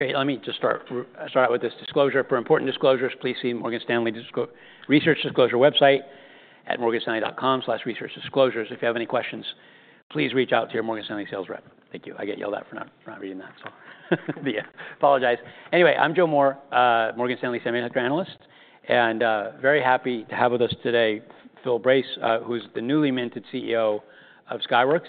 Okay, let me just start out with this disclosure. For important disclosures, please see the Morgan Stanley Research Disclosure website at morganstanley.com/researchdisclosures. If you have any questions, please reach out to your Morgan Stanley sales rep. Thank you. I get yelled at for not reading that, so I apologize. Anyway, I'm Joe Moore, Morgan Stanley semiconductor analyst, and very happy to have with us today Phil Brace, who's the newly minted CEO of Skyworks.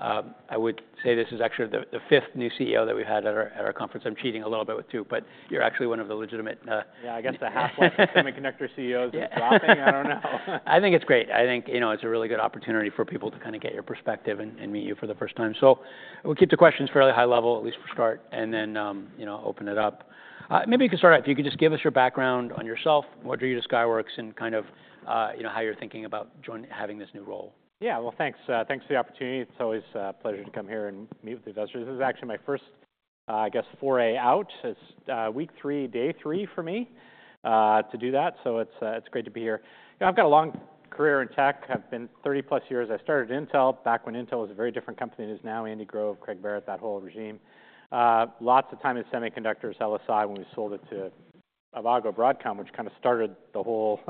I would say this is actually the fifth new CEO that we've had at our conference. I'm cheating a little bit with two, but you're actually one of the legitimate. Yeah, I guess half of the semiconductor CEOs are dropping. I don't know. I think it's great. I think, you know, it's a really good opportunity for people to kind of get your perspective and meet you for the first time. So we'll keep the questions fairly high level, at least for start, and then, you know, open it up. Maybe you could start out, if you could just give us your background on yourself, what drew you to Skyworks, and kind of, you know, how you're thinking about joining, having this new role. Yeah, well, thanks. Thanks for the opportunity. It's always a pleasure to come here and meet with the investors. This is actually my first, I guess, foray out. It's week three, day three for me to do that. So it's great to be here. You know, I've got a long career in tech. I've been 30-plus years. I started at Intel back when Intel was a very different company than it is now. Andy Grove, Craig Barrett, that whole regime. Lots of time in semiconductors, LSI, when we sold it to Avago-Broadcom, which kind of started the whole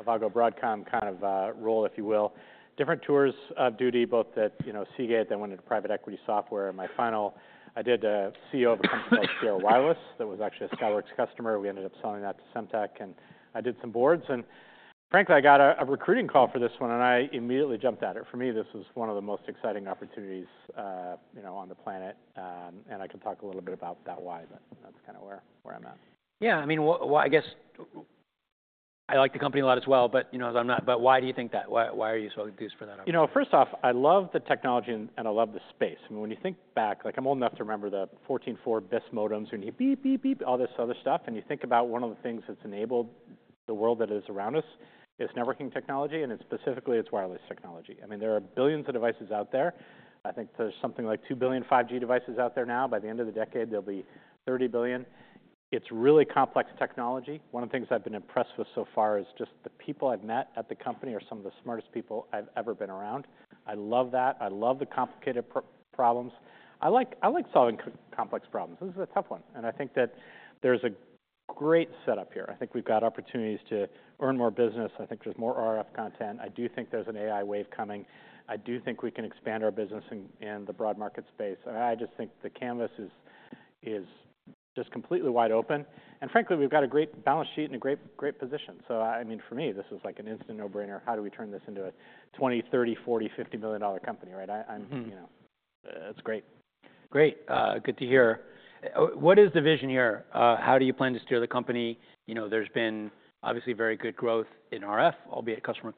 Avago-Broadcom kind of role, if you will. Different tours of duty, both at, you know, Seagate, then went into private equity software. My final, I did CEO of a company called Sierra Wireless that was actually a Skyworks customer. We ended up selling that to Semtech, and I did some boards. And frankly, I got a recruiting call for this one, and I immediately jumped at it. For me, this was one of the most exciting opportunities, you know, on the planet. And I can talk a little bit about that why, but that's kind of where I'm at. Yeah, I mean, well, I guess I like the company a lot as well, but, you know, as I'm not, but why do you think that? Why are you so enthused for that? You know, first off, I love the technology and I love the space. I mean, when you think back, like I'm old enough to remember the 14.4 bis modems you know beep, beep, beep, all this other stuff. And you think about one of the things that's enabled the world that is around us, it's networking technology, and it's specifically its wireless technology. I mean, there are billions of devices out there. I think there's something like two billion 5G devices out there now. By the end of the decade, there'll be 30 billion. It's really complex technology. One of the things I've been impressed with so far is just the people I've met at the company are some of the smartest people I've ever been around. I love that. I love the complicated problems. I like solving complex problems. This is a tough one. I think that there's a great setup here. I think we've got opportunities to earn more business. I think there's more RF content. I do think there's an AI wave coming. I do think we can expand our business in the Broad Market space. I just think the canvas is just completely wide open. Frankly, we've got a great balance sheet and a great position. I mean, for me, this is like an instant no-brainer. How do we turn this into a $20, $30, $40, $50 million-dollar company, right? I'm, you know, it's great. Great. Good to hear. What is the vision here? How do you plan to steer the company? You know, there's been obviously very good growth in RF, albeit customer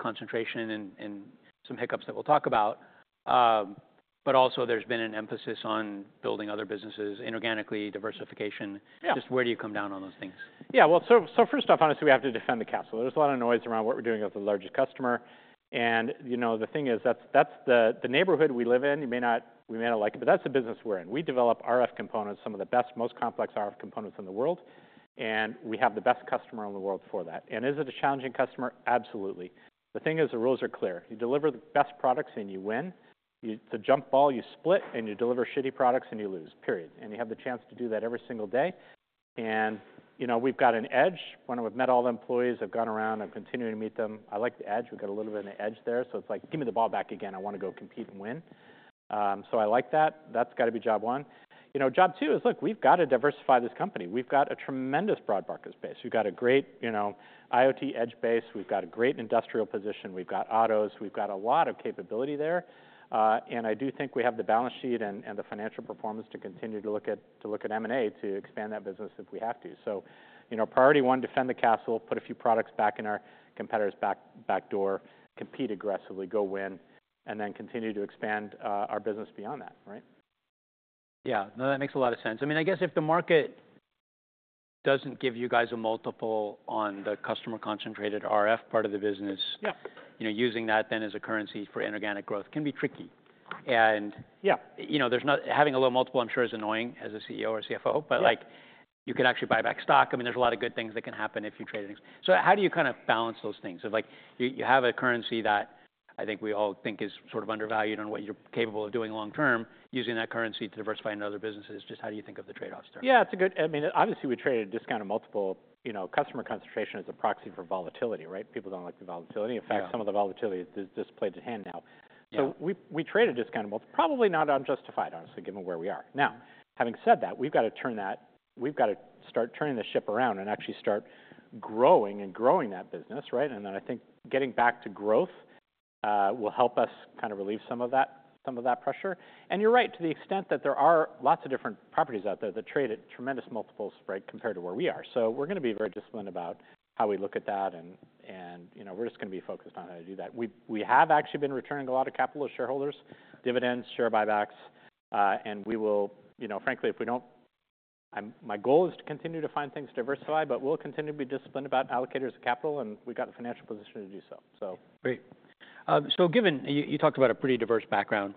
concentration and some hiccups that we'll talk about. But also there's been an emphasis on building other businesses, inorganically, diversification. Just where do you come down on those things? Yeah, well, so first off, obviously we have to defend the capital. There's a lot of noise around what we're doing with the largest customer. And, you know, the thing is that's the neighborhood we live in. You may not like it, but that's the business we're in. We develop RF components, some of the best, most complex RF components in the world, and we have the best customer in the world for that. And is it a challenging customer? Absolutely. The thing is, the rules are clear. You deliver the best products and you win. It's a jump ball. You slip and you deliver shitty products and you lose, period. And you have the chance to do that every single day. And, you know, we've got an edge. When I've met all the employees, I've gone around, I'm continuing to meet them. I like the edge. We've got a little bit of an edge there. So it's like, give me the ball back again. I want to go compete and win. So I like that. That's got to be job one. You know, job two is, look, we've got to diversify this company. We've got a tremendous Broad Market space. We've got a great, you know, IoT edge base. We've got a great industrial position. We've got autos. We've got a lot of capability there. And I do think we have the balance sheet and the financial performance to continue to look at M&A to expand that business if we have to. So, you know, priority one, defend the castle, put a few products back in our competitors' backyard, compete aggressively, go win, and then continue to expand our business beyond that, right? Yeah. No, that makes a lot of sense. I mean, I guess if the market doesn't give you guys a multiple on the customer-concentrated RF part of the business, you know, using that then as a currency for inorganic growth can be tricky. And, you know, having a low multiple, I'm sure is annoying as a CEO or CFO, but like you can actually buy back stock. I mean, there's a lot of good things that can happen if you trade it. So how do you kind of balance those things? So like you have a currency that I think we all think is sort of undervalued on what you're capable of doing long term, using that currency to diversify in other businesses. Just how do you think of the trade-offs there? Yeah, it's a good, I mean, obviously we trade at a discounted multiple. You know, customer concentration is a proxy for volatility, right? People don't like the volatility. In fact, some of the volatility is displayed at hand now. So we trade at a discounted multiple, probably not unjustified, honestly, given where we are. Now, having said that, we've got to turn that, we've got to start turning the ship around and actually start growing and growing that business, right? And then I think getting back to growth will help us kind of relieve some of that, some of that pressure. And you're right, to the extent that there are lots of different properties out there that trade at tremendous multiples, right, compared to where we are. So we're going to be very disciplined about how we look at that. You know, we're just going to be focused on how to do that. We have actually been returning a lot of capital to shareholders, dividends, share buybacks. We will, you know, frankly, if we don't, my goal is to continue to find things, diversify, but we'll continue to be disciplined about allocators of capital. We've got the financial position to do so. So. Great. So given you talked about a pretty diverse background.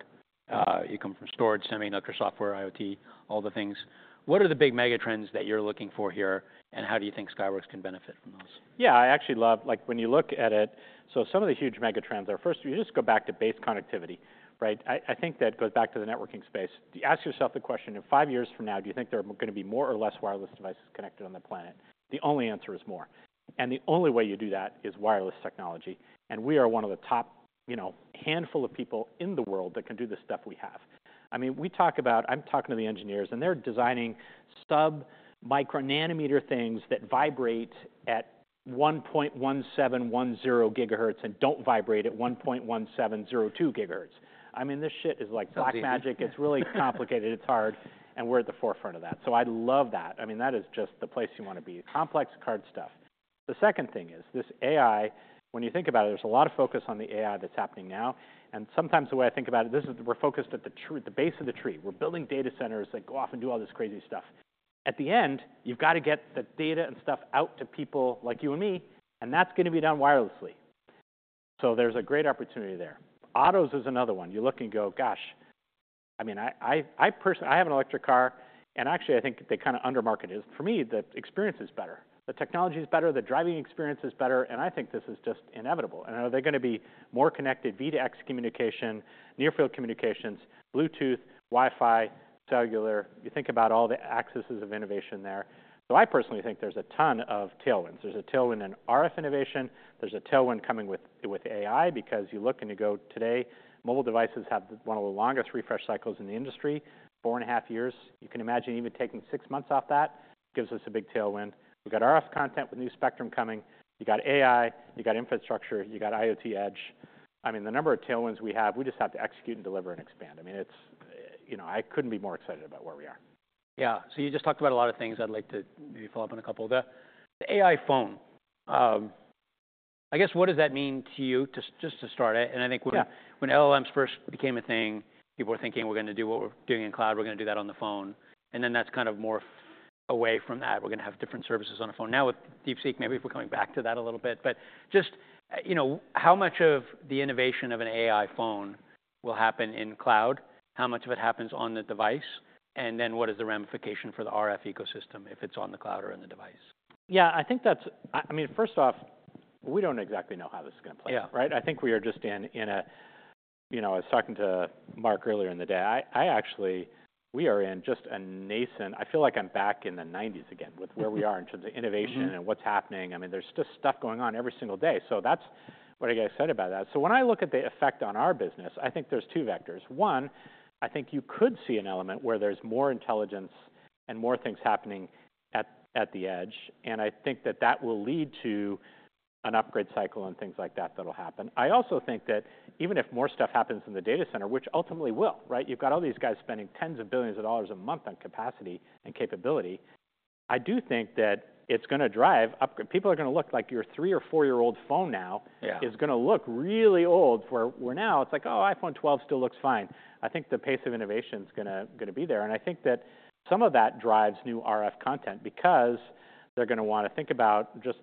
You come from storage, semiconductor software, IoT, all the things. What are the big mega trends that you're looking for here? And how do you think Skyworks can benefit from those? Yeah, I actually love, like when you look at it, so some of the huge mega trends are first, you just go back to base connectivity, right? I think that goes back to the networking space. Ask yourself the question, in five years from now, do you think there are going to be more or less wireless devices connected on the planet? The only answer is more. And the only way you do that is wireless technology. And we are one of the top, you know, handful of people in the world that can do the stuff we have. I mean, we talk about, I'm talking to the engineers and they're designing sub-micro nanometer things that vibrate at 1.1710 gigahertz and don't vibrate at 1.1702 gigahertz. I mean, this shit is like black magic. It's really complicated. It's hard. And we're at the forefront of that. So I love that. I mean, that is just the place you want to be. Complex card stuff. The second thing is this AI, when you think about it, there's a lot of focus on the AI that's happening now, and sometimes the way I think about it, this is, we're focused at the root, the base of the tree. We're building data centers that go off and do all this crazy stuff. At the end, you've got to get the data and stuff out to people like you and me, and that's going to be done wirelessly. So there's a great opportunity there. Autos is another one. You look and go, gosh, I mean, I personally, I have an electric car, and actually I think they kind of undermarket it. For me, the experience is better. The technology is better. The driving experience is better, and I think this is just inevitable. Are they going to be more connected V2X communication, near field communications, Bluetooth, Wi-Fi, cellular? You think about all the axes of innovation there. So I personally think there's a ton of tailwinds. There's a tailwind in RF innovation. There's a tailwind coming with AI because you look and you go today, mobile devices have one of the longest refresh cycles in the industry, four and a half years. You can imagine even taking six months off that gives us a big tailwind. We've got RF content with new spectrum coming. You got AI, you got infrastructure, you got IoT edge. I mean, the number of tailwinds we have, we just have to execute and deliver and expand. I mean, it's, you know, I couldn't be more excited about where we are. Yeah. So you just talked about a lot of things. I'd like to maybe follow up on a couple of the AI phone. I guess what does that mean to you? Just to start it. And I think when LLMs first became a thing, people were thinking, we're going to do what we're doing in cloud, we're going to do that on the phone. And then that's kind of moved away from that. We're going to have different services on the phone. Now with DeepSeek, maybe we're coming back to that a little bit. But just, you know, how much of the innovation of an AI phone will happen in cloud? How much of it happens on the device? And then what is the ramification for the RF ecosystem if it's on the cloud or in the device? Yeah, I think that's, I mean, first off, we don't exactly know how this is going to play, right? I think we are just in, you know, I was talking to Mark earlier in the day. I actually, we are in just a nascent. I feel like I'm back in the 90s again with where we are in terms of innovation and what's happening. I mean, there's just stuff going on every single day. So that's what I get excited about that. So when I look at the effect on our business, I think there's two vectors. One, I think you could see an element where there's more intelligence and more things happening at the edge. And I think that that will lead to an upgrade cycle and things like that that'll happen. I also think that even if more stuff happens in the data center, which ultimately will, right? You've got all these guys spending tens of billions of dollars a month on capacity and capability. I do think that it's going to drive upgrade. People are going to look like your three or four year old phone now is going to look really old for where now it's like, oh, iPhone 12 still looks fine. I think the pace of innovation is going to be there. And I think that some of that drives new RF content because they're going to want to think about just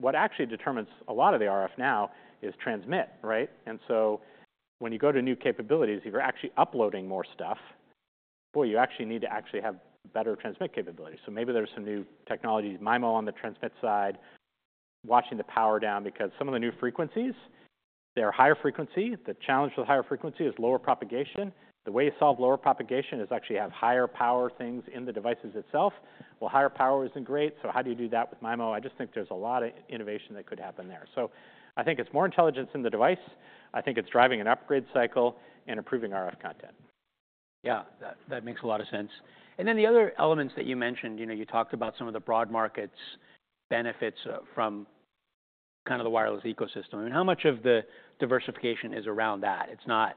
what actually determines a lot of the RF now is transmit, right? And so when you go to new capabilities, if you're actually uploading more stuff, boy, you actually need to actually have better transmit capability. So maybe there's some new technologies, MIMO on the transmit side, watching the power down because some of the new frequencies, they're higher frequency. The challenge with higher frequency is lower propagation. The way to solve lower propagation is actually have higher power things in the devices itself. Well, higher power isn't great. So how do you do that with MIMO? I just think there's a lot of innovation that could happen there. So I think it's more intelligence in the device. I think it's driving an upgrade cycle and improving RF content. Yeah, that makes a lot of sense. And then the other elements that you mentioned, you know, you talked about some of the Broad Markets benefits from kind of the wireless ecosystem. I mean, how much of the diversification is around that? It's not,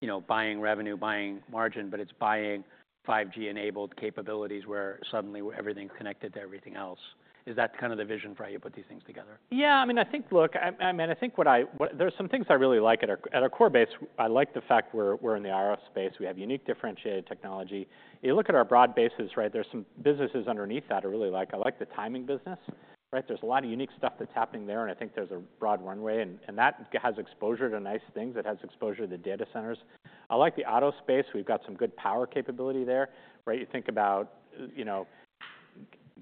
you know, buying revenue, buying margin, but it's buying 5G enabled capabilities where suddenly everything's connected to everything else. Is that kind of the vision for how you put these things together? Yeah, I mean, I think. Look, I mean, I think what I, there's some things I really like at our core base. I like the fact we're in the RF space. We have unique differentiated technology. You look at our broad bases, right? There's some businesses underneath that I really like. I like the timing business, right? There's a lot of unique stuff that's happening there. And I think there's a broad runway. And that has exposure to nice things. It has exposure to the data centers. I like the auto space. We've got some good power capability there, right? You think about, you know,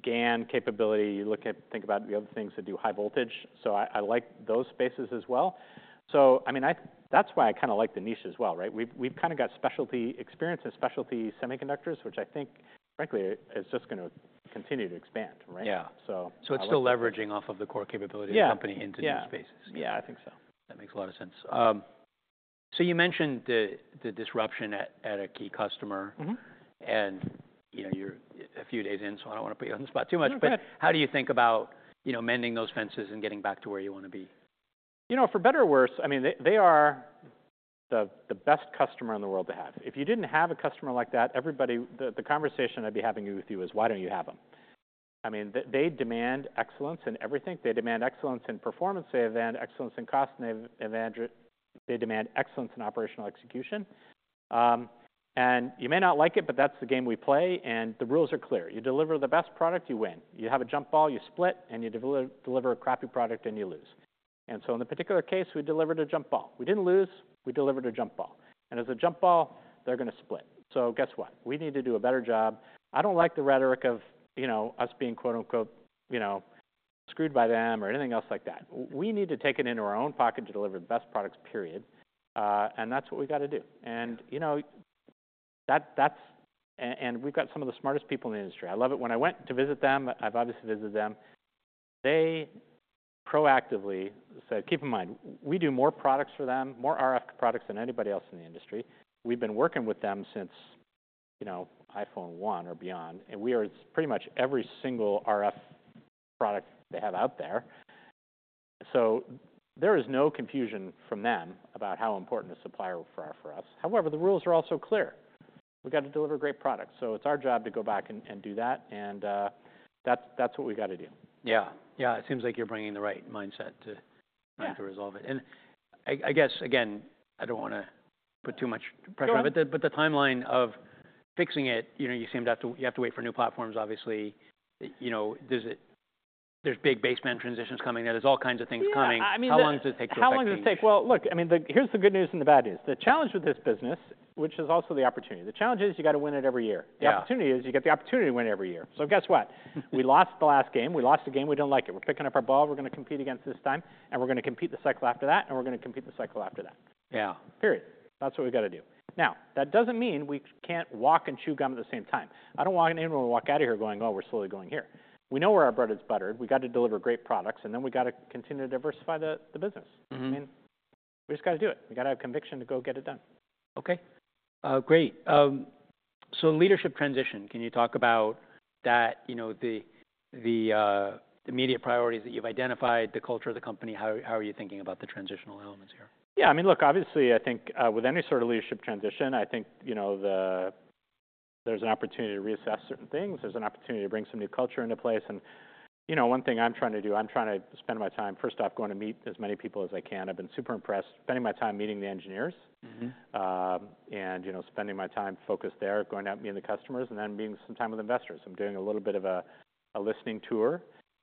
GaN capability. You look at, think about the other things that do high voltage. So I like those spaces as well. So, I mean, that's why I kind of like the niche as well, right? We've kind of got specialty experience and specialty semiconductors, which I think, frankly, is just going to continue to expand, right? Yeah. So it's still leveraging off of the core capability of the company into new spaces. Yeah, I think so. That makes a lot of sense. So you mentioned the disruption at a key customer. And you know, you're a few days in, so I don't want to put you on the spot too much. But how do you think about, you know, mending those fences and getting back to where you want to be? You know, for better or worse, I mean, they are the best customer in the world to have. If you didn't have a customer like that, everybody, the conversation I'd be having with you is, why don't you have them? I mean, they demand excellence in everything. They demand excellence in performance. They demand excellence in cost. They demand excellence in operational execution. And you may not like it, but that's the game we play. And the rules are clear. You deliver the best product, you win. You have a jump ball, you split, and you deliver a crappy product and you lose. And so in the particular case, we delivered a jump ball. We didn't lose. We delivered a jump ball. And as a jump ball, they're going to split. So guess what? We need to do a better job. I don't like the rhetoric of, you know, us being quote unquote, you know, screwed by them or anything else like that. We need to take it into our own pocket to deliver the best products, period, and that's what we got to do, and, you know, that's, and we've got some of the smartest people in the industry. I love it. When I went to visit them, I've obviously visited them. They proactively said, keep in mind, we do more products for them, more RF products than anybody else in the industry. We've been working with them since, you know, iPhone 1 or beyond. And we are pretty much every single RF product they have out there. So there is no confusion from them about how important a supplier for us. However, the rules are also clear. We got to deliver great products. So it's our job to go back and do that. And that's what we got to do. Yeah. Yeah. It seems like you're bringing the right mindset to resolve it. And I guess, again, I don't want to put too much pressure on it, but the timeline of fixing it, you know, you seem to have to, you have to wait for new platforms, obviously. You know, there's big baseband transitions coming. There's all kinds of things coming. How long does it take to fix it? How long does it take? Well, look, I mean, here's the good news and the bad news. The challenge with this business, which is also the opportunity, the challenge is you got to win it every year. The opportunity is you get the opportunity to win it every year. So guess what? We lost the last game. We lost the game. We don't like it. We're picking up our ball. We're going to compete against this time. And we're going to compete the cycle after that. And we're going to compete the cycle after that Period. That's what we got to do. Now, that doesn't mean we can't walk and chew gum at the same time. I don't want anyone to walk out of here going, oh, we're slowly going here. We know where our bread is buttered. We got to deliver great products. And then we got to continue to diversify the business. I mean, we just got to do it. We got to have conviction to go get it done. Okay. Great. So, leadership transition, can you talk about that, you know, the immediate priorities that you've identified, the culture of the company? How are you thinking about the transitional elements here? Yeah. I mean, look, obviously, I think with any sort of leadership transition, I think, you know, there's an opportunity to reassess certain things. There's an opportunity to bring some new culture into place. And, you know, one thing I'm trying to do, I'm trying to spend my time, first off, going to meet as many people as I can. I've been super impressed spending my time meeting the engineers and, you know, spending my time focused there, going out meeting the customers and then meeting some time with investors. I'm doing a little bit of a listening tour.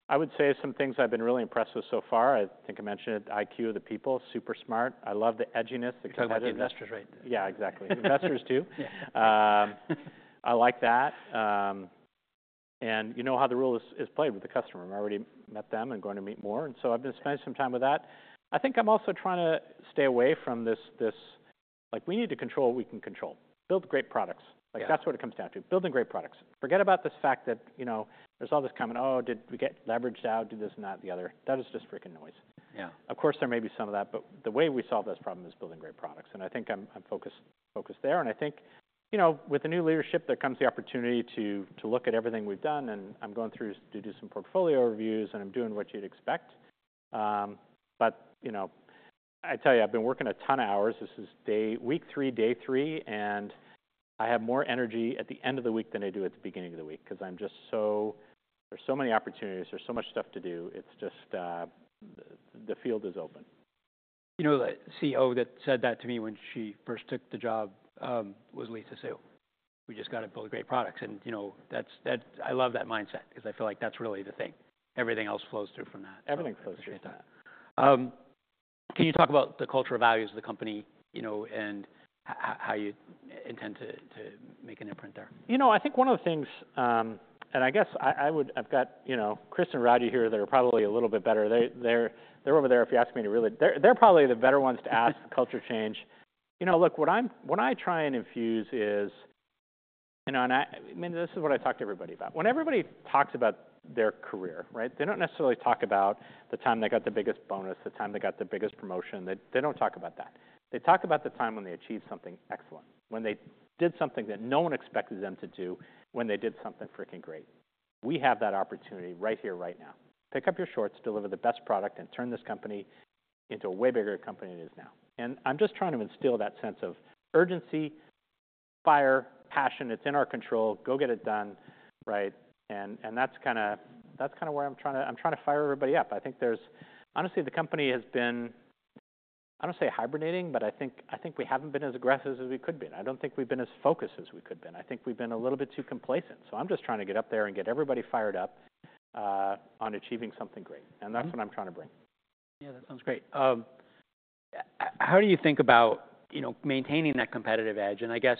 I would say some things I've been really impressed with so far. I think I mentioned it, high IQ, the people, super smart. I love the edginess. Because I've met investors, right? Yeah, exactly. Investors too. I like that. And you know how the rule is played with the customer. I've already met them and going to meet more. And so I've been spending some time with that. I think I'm also trying to stay away from this, like we need to control what we can control. Build great products. Like that's what it comes down to. Building great products. Forget about this fact that, you know, there's all this coming, oh, did we get leveraged out, do this and that, the other. That is just freaking noise. Of course, there may be some of that, but the way we solve this problem is building great products. And I think I'm focused there. And I think, you know, with the new leadership, there comes the opportunity to look at everything we've done. And I'm going through to do some portfolio reviews. And I'm doing what you'd expect. But, you know, I tell you, I've been working a ton of hours. This is day, week three, day three. And I have more energy at the end of the week than I do at the beginning of the week because I'm just so, there's so many opportunities. There's so much stuff to do. It's just the field is open. You know, the CEO that said that to me when she first took the job was Lisa Su. We just got to build great products, and you know, I love that mindset because I feel like that's really the thing. Everything else flows through from that. Everything flows through from that. Can you talk about the culture of values of the company, you know, and how you intend to make an imprint there? You know, I think one of the things, and I guess I would, I've got, you know, Kris and Raji here, they're probably a little bit better. They're over there if you ask me to really, they're probably the better ones to ask culture change. You know, look, what I try and infuse is, you know, and I mean, this is what I talk to everybody about. When everybody talks about their career, right, they don't necessarily talk about the time they got the biggest bonus, the time they got the biggest promotion. They don't talk about that. They talk about the time when they achieved something excellent, when they did something that no one expected them to do, when they did something freaking great. We have that opportunity right here, right now. Pick up your shorts, deliver the best product, and turn this company into a way bigger company than it is now. And I'm just trying to instill that sense of urgency, fire, passion. It's in our control. Go get it done, right? And that's kind of, that's kind of where I'm trying to, I'm trying to fire everybody up. I think there's, honestly, the company has been, I don't say hibernating, but I think we haven't been as aggressive as we could be. And I don't think we've been as focused as we could be. And I think we've been a little bit too complacent. So I'm just trying to get up there and get everybody fired up on achieving something great. And that's what I'm trying to bring. Yeah, that sounds great. How do you think about, you know, maintaining that competitive edge? And I guess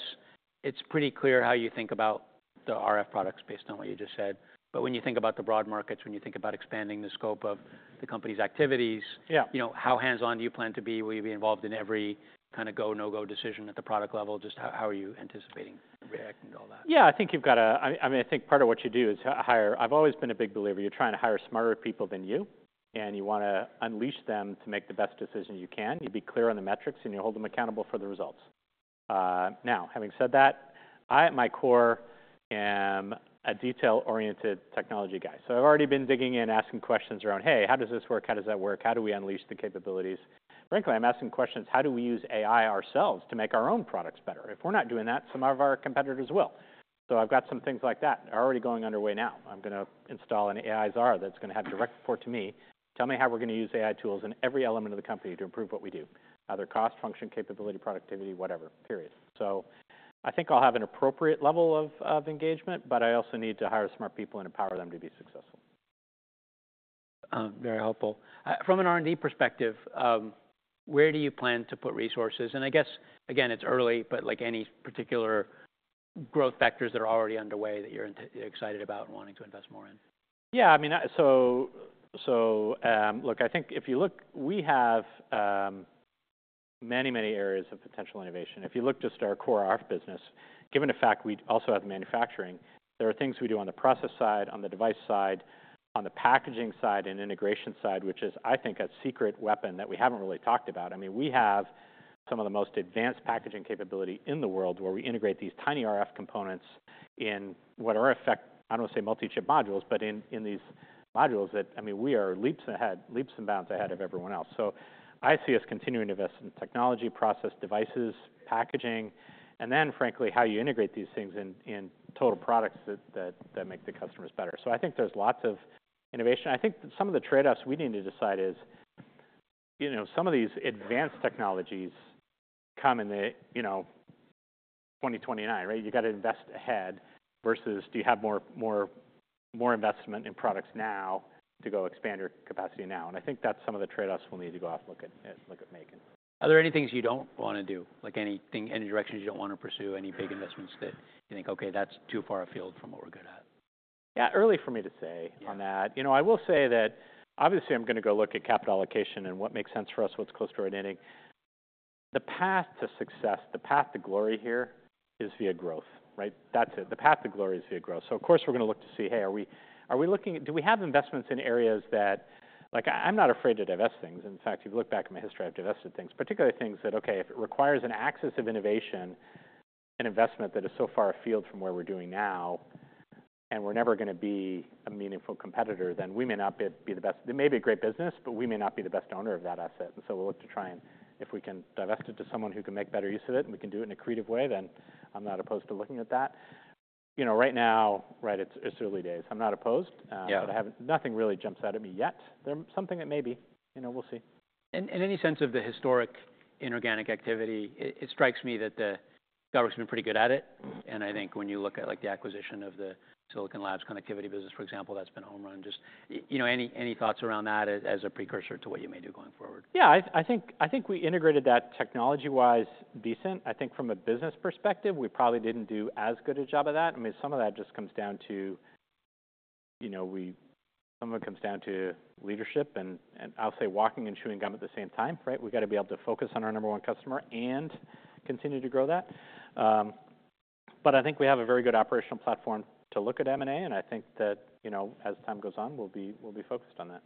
it's pretty clear how you think about the RF products based on what you just said. But when you think about the Broad Markets, when you think about expanding the scope of the company's activities, you know, how hands-on do you plan to be? Will you be involved in every kind of go, no-go decision at the product level? Just how are you anticipating reacting to all that? Yeah, I think you've got to. I mean, I think part of what you do is hire. I've always been a big believer. You're trying to hire smarter people than you. And you want to unleash them to make the best decision you can. You be clear on the metrics and you hold them accountable for the results. Now, having said that, I at my core am a detail-oriented technology guy. So I've already been digging in, asking questions around, hey, how does this work? How does that work? How do we unleash the capabilities? Frankly, I'm asking questions, how do we use AI ourselves to make our own products better? If we're not doing that, some of our competitors will. So I've got some things like that. They're already getting under way now. I'm going to install an AI czar that's going to report directly to me. Tell me how we're going to use AI tools in every element of the company to improve what we do. Other cost, function, capability, productivity, whatever. Period. So I think I'll have an appropriate level of engagement, but I also need to hire smart people and empower them to be successful. Very helpful. From an R&D perspective, where do you plan to put resources? And I guess, again, it's early, but like any particular growth factors that are already underway that you're excited about and wanting to invest more in? Yeah, I mean, so, so look. I think if you look, we have many, many areas of potential innovation. If you look just at our core RF business, given the fact we also have manufacturing, there are things we do on the process side, on the device side, on the packaging side and integration side, which is, I think, a secret weapon that we haven't really talked about. I mean, we have some of the most advanced packaging capability in the world where we integrate these tiny RF components in what are effectively. I don't want to say multi-chip modules, but in these modules that, I mean, we are leaps ahead, leaps and bounds ahead of everyone else. So I see us continuing to invest in technology, process, devices, packaging, and then frankly, how you integrate these things in total products that make the customers better. So I think there's lots of innovation. I think some of the trade-offs we need to decide is, you know, some of these advanced technologies come in the, you know, 2029, right? You got to invest ahead versus do you have more investment in products now to go expand your capacity now? And I think that's some of the trade-offs we'll need to go off and look at making. Are there any things you don't want to do? Like anything, any directions you don't want to pursue, any big investments that you think, okay, that's too far afield from what we're good at? Yeah, early for me to say on that. You know, I will say that obviously I'm going to go look at capital allocation and what makes sense for us, what's close to our nitty-gritty. The path to success, the path to glory here is via growth, right? That's it. The path to glory is via growth. So of course we're going to look to see, hey, are we looking, do we have investments in areas that, like I'm not afraid to divest things. In fact, if you look back in my history, I've divested things, particularly things that, okay, if it requires a nexus of innovation and investment that is so far afield from where we're doing now and we're never going to be a meaningful competitor, then we may not be the best. It may be a great business, but we may not be the best owner of that asset, and so we'll look to try and if we can divest it to someone who can make better use of it and we can do it in a creative way, then I'm not opposed to looking at that. You know, right now, right, it's early days. I'm not opposed, but nothing really jumps out at me yet. There's something that may be, you know, we'll see. Any sense of the historic inorganic activity, it strikes me that the company's been pretty good at it. I think when you look at like the acquisition of the Silicon Labs connectivity business, for example, that's been home run. Just, you know, any thoughts around that as a precursor to what you may do going forward? Yeah, I think we integrated that technology-wise decent. I think from a business perspective, we probably didn't do as good a job of that. I mean, some of that just comes down to, you know, we, some of it comes down to leadership and I'll say walking and chewing gum at the same time, right? We got to be able to focus on our number one customer and continue to grow that. But I think we have a very good operational platform to look at M&A. And I think that, you know, as time goes on, we'll be focused on that.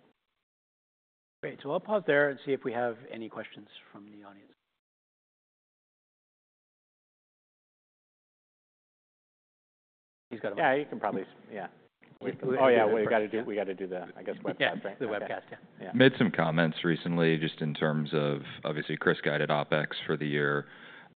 Great. So I'll pause there and see if we have any questions from the audience. He's got a mic. Yeah, you can probably, yeah. Oh yeah, we got to do the, I guess, webcast, right? Yeah, the webcast, yeah. Made some comments recently just in terms of obviously Kris guided OpEx for the year.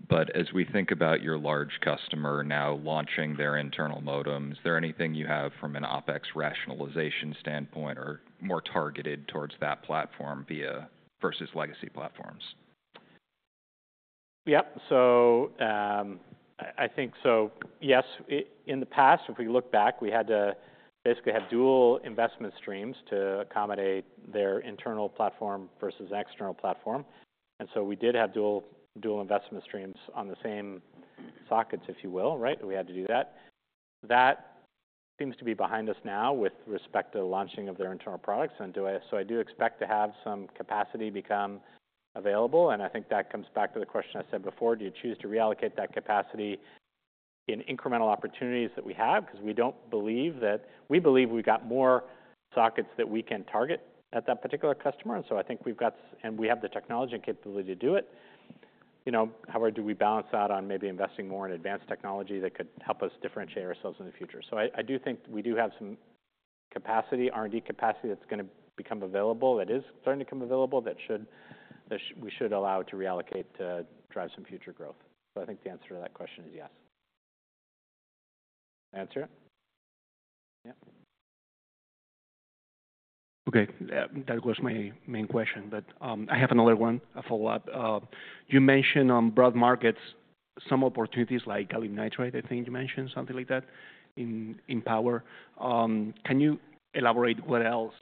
But as we think about your large customer now launching their internal modem, is there anything you have from an OpEx rationalization standpoint or more targeted towards that platform versus legacy platforms? Yep. So I think, so yes, in the past, if we look back, we had to basically have dual investment streams to accommodate their internal platform versus external platform, and so we did have dual investment streams on the same sockets, if you will, right? We had to do that. That seems to be behind us now with respect to the launching of their internal products, and so I do expect to have some capacity become available, and I think that comes back to the question I said before. Do you choose to reallocate that capacity in incremental opportunities that we have? Because we don't believe that, we believe we've got more sockets that we can target at that particular customer, and so I think we've got, and we have the technology and capability to do it. You know, how do we balance that on maybe investing more in advanced technology that could help us differentiate ourselves in the future? So I do think we do have some capacity, R&D capacity that's going to become available, that is starting to become available, that we should allow to reallocate to drive some future growth. So I think the answer to that question is yes. Answer? Yeah. Okay. That was my main question, but I have another one, a follow-up. You mentioned on Broad Markets, some opportunities like gallium nitride, I think you mentioned something like that in power. Can you elaborate what else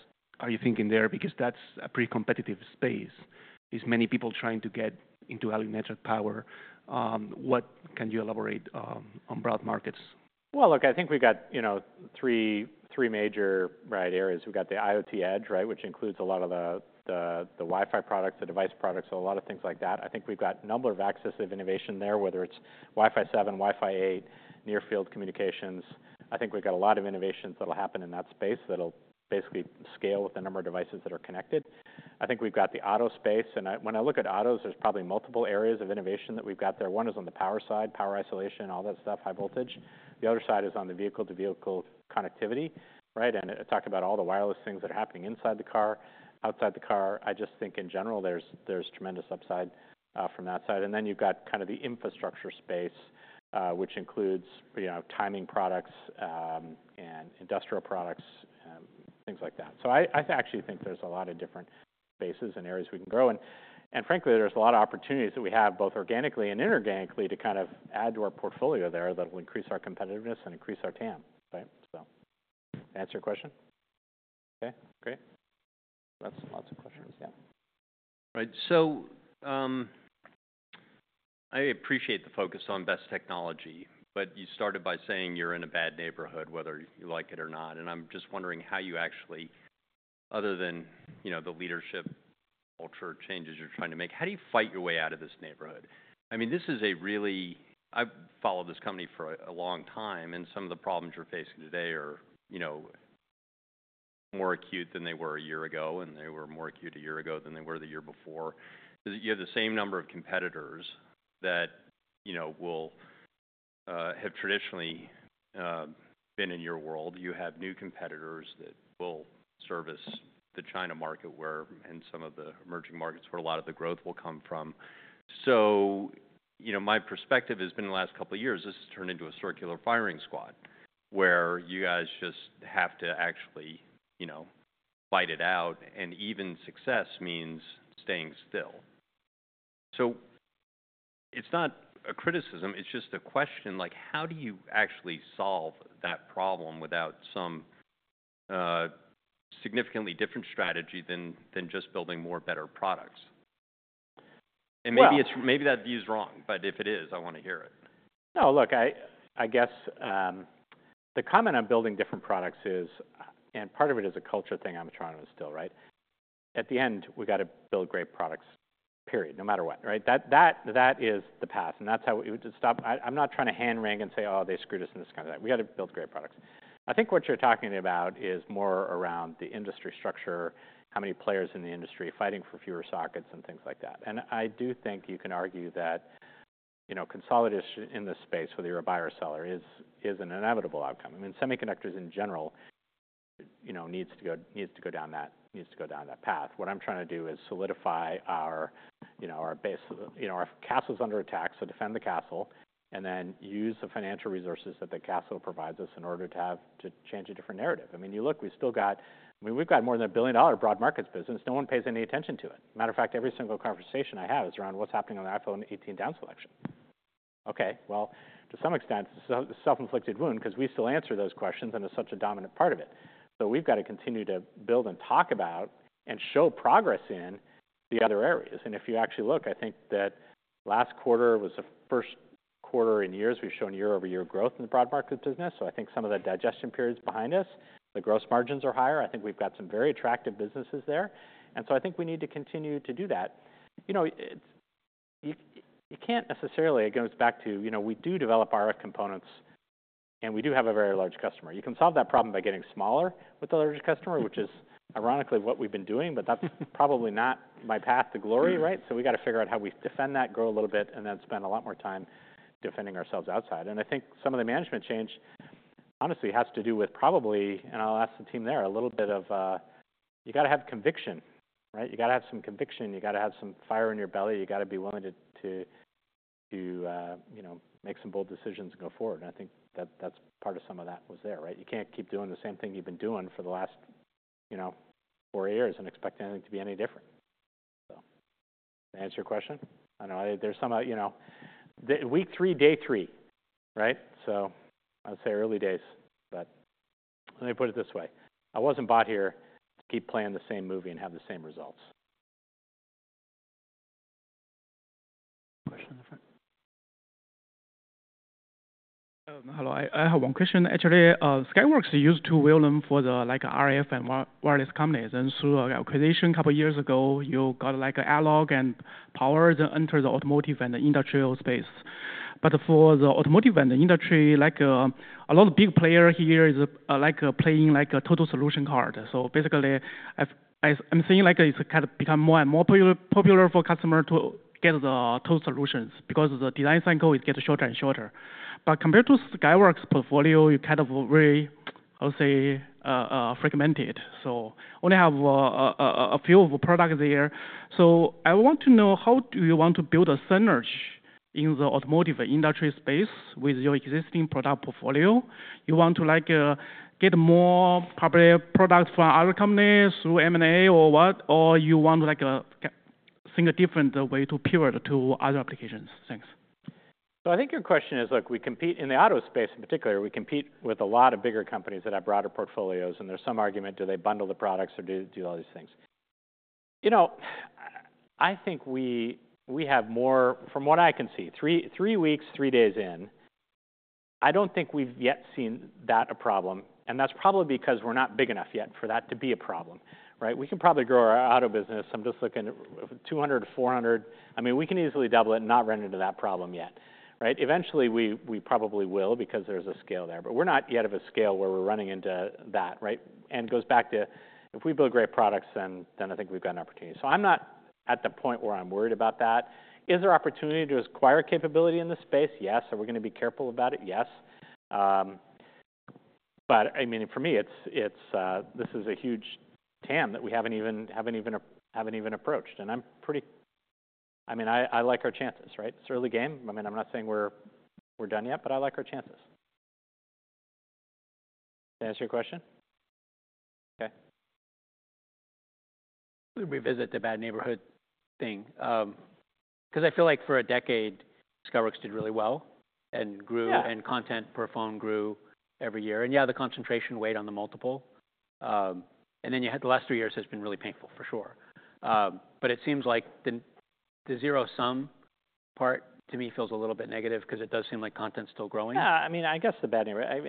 are you thinking there? Because that's a pretty competitive space. There's many people trying to get into gallium nitride power. What can you elaborate on Broad Markets? Look, I think we've got, you know, three major, right, areas. We've got the IoT edge, right, which includes a lot of the Wi-Fi products, the device products, a lot of things like that. I think we've got a number of successive innovation there, whether it's Wi-Fi 7, Wi-Fi 8, near field communications. I think we've got a lot of innovations that'll happen in that space that'll basically scale with the number of devices that are connected. I think we've got the auto space. When I look at autos, there's probably multiple areas of innovation that we've got there. One is on the power side, power isolation, all that stuff, high voltage. The other side is on the vehicle-to-vehicle connectivity, right? Talk about all the wireless things that are happening inside the car, outside the car. I just think in general, there's tremendous upside from that side. And then you've got kind of the infrastructure space, which includes, you know, timing products and industrial products, things like that. So I actually think there's a lot of different spaces and areas we can grow. And frankly, there's a lot of opportunities that we have both organically and inorganically to kind of add to our portfolio there that will increase our competitiveness and increase our TAM, right? So to answer your question, okay, great. That's lots of questions, yeah. Right. So I appreciate the focus on best technology, but you started by saying you're in a bad neighborhood, whether you like it or not. And I'm just wondering how you actually, other than, you know, the leadership culture changes you're trying to make, how do you fight your way out of this neighborhood? I mean, this is a really, I've followed this company for a long time, and some of the problems you're facing today are, you know, more acute than they were a year ago, and they were more acute a year ago than they were the year before. You have the same number of competitors that, you know, will have traditionally been in your world. You have new competitors that will service the China market where and some of the emerging markets where a lot of the growth will come from. So, you know, my perspective has been in the last couple of years, this has turned into a circular firing squad where you guys just have to actually, you know, fight it out. And even success means staying still. So it's not a criticism, it's just a question like, how do you actually solve that problem without some significantly different strategy than just building more better products? And maybe that view's wrong, but if it is, I want to hear it. No, look, I guess the comment on building different products is, and part of it is a culture thing I'm trying to instill, right? In the end, we got to build great products, period, no matter what, right? That is the path. And that's how we would stop. I'm not trying to hand-wring and say, oh, they screwed us in this kind of thing. We got to build great products. I think what you're talking about is more around the industry structure, how many players in the industry fighting for fewer sockets and things like that. And I do think you can argue that, you know, consolidation in this space, whether you're a buyer or seller, is an inevitable outcome. I mean, semiconductors in general, you know, needs to go down that path. What I'm trying to do is solidify our, you know, our base, you know, our castle's under attack, so defend the castle and then use the financial resources that the castle provides us in order to have to change a different narrative. I mean, you look, we've still got, I mean, we've got more than $1 billion Broad Markets business. No one pays any attention to it. Matter of fact, every single conversation I have is around what's happening on the iPhone 18 down selection. Okay, well, to some extent, it's a self-inflicted wound because we still answer those questions and it's such a dominant part of it. So we've got to continue to build and talk about and show progress in the other areas. And if you actually look, I think that last quarter was the first quarter in years we've shown year-over-year growth in the Broad Markets business. So I think some of the digestion periods behind us, the gross margins are higher. I think we've got some very attractive businesses there. And so I think we need to continue to do that. You know, you can't necessarily. It goes back to, you know, we do develop RF components and we do have a very large customer. You can solve that problem by getting smaller with the larger customer, which is ironically what we've been doing, but that's probably not my path to glory, right? So we got to figure out how we defend that, grow a little bit, and then spend a lot more time defending ourselves outside. I think some of the management change, honestly, has to do with probably, and I'll ask the team there, a little bit of, you got to have conviction, right? You got to have some conviction. You got to have some fire in your belly. You got to be willing to, you know, make some bold decisions and go forward. And I think that that's part of some of that was there, right? You can't keep doing the same thing you've been doing for the last, you know, four years and expect anything to be any different. So to answer your question, I know there's some, you know, week three, day three, right? So I would say early days, but let me put it this way. I wasn't brought here to keep playing the same movie and have the same results. Question in the front. Hello, I have one question. Actually, Skyworks used to be known for the like RF and wireless companies. And through acquisition a couple of years ago, you got like a analog and power and entered the automotive and the industrial space. But for the automotive and the industrial, like a lot of big players here is like playing like a total solution card. So basically, I'm seeing like it's kind of become more and more popular for customers to get the total solutions because the design cycle gets shorter and shorter. But compared to Skyworks' portfolio, you kind of really, I would say, fragmented. So only have a few products there. So I want to know how do you want to build a synergy in the automotive industry space with your existing product portfolio? You want to like get more probably products from other companies through M&A or what, or you want to like think a different way to pivot to other applications? Thanks. So, I think your question is like we compete in the auto space in particular. We compete with a lot of bigger companies that have broader portfolios. And there's some argument. Do they bundle the products or do they do all these things? You know, I think we have more, from what I can see, three weeks, three days in. I don't think we've yet seen that a problem. And that's probably because we're not big enough yet for that to be a problem, right? We can probably grow our auto business. I'm just looking at 200-400. I mean, we can easily double it and not run into that problem yet, right? Eventually, we probably will because there's a scale there. But we're not yet at a scale where we're running into that, right? It goes back to if we build great products, then I think we've got an opportunity. So I'm not at the point where I'm worried about that. Is there opportunity to acquire capability in this space? Yes. Are we going to be careful about it? Yes. But I mean, for me, this is a huge TAM that we haven't even approached. And I'm pretty, I mean, I like our chances, right? It's early game. I mean, I'm not saying we're done yet, but I like our chances. To answer your question. Okay. Revisit the bad neighborhood thing. Because I feel like for a decade, Skyworks did really well and grew and content per phone grew every year. Yeah, the concentration weighed on the multiple. Then you had the last three years has been really painful for sure. It seems like the zero sum part to me feels a little bit negative because it does seem like content's still growing. Yeah, I mean, I guess the bad neighborhood.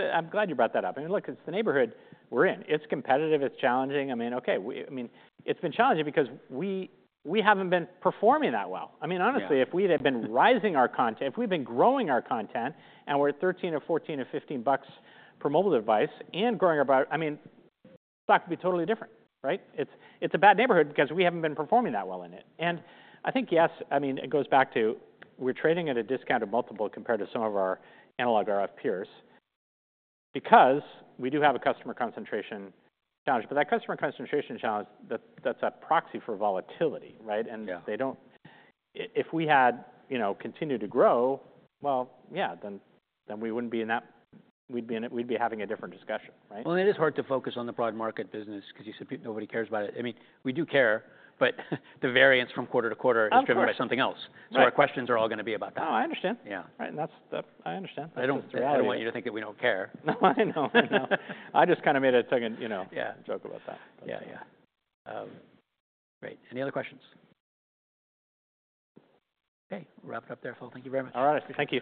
I'm glad you brought that up. I mean, look, it's the neighborhood we're in. It's competitive. It's challenging. I mean, okay. I mean, it's been challenging because we haven't been performing that well. I mean, honestly, if we had been rising our content, if we'd been growing our content and we're at $13 or $14 or $15 per mobile device and growing our product, I mean, the stock would be totally different, right? It's a bad neighborhood because we haven't been performing that well in it. And I think yes, I mean, it goes back to we're trading at a discounted multiple compared to some of our analog RF peers because we do have a customer concentration challenge. But that customer concentration challenge, that's a proxy for volatility, right? They don't, if we had, you know, continued to grow, well, yeah, then we wouldn't be in that, we'd be having a different discussion, right? It is hard to focus on the Broad Market business because you said nobody cares about it. I mean, we do care, but the variance from quarter to quarter is driven by something else. Our questions are all going to be about that. Oh, I understand. Yeah. Right. And that's, I understand. I don't want you to think that we don't care. No, I know. I know. I just kind of made a second, you know, joke about that. Yeah, yeah. Great. Any other questions? Okay. We'll wrap it up there. Phil, thank you very much. All right. Thank you.